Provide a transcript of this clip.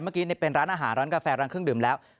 เมื่อกี้เป็นร้านอาหารร้านกาแฟร้านเครื่องดื่มแล้ว